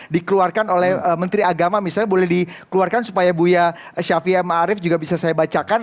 dikeluarkan oleh menteri agama misalnya boleh dikeluarkan supaya bu yaya syafie ma'arif juga bisa saya bacakan